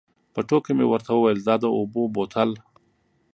په ټوکه مې ورته وویل دا د اوبو بوتل.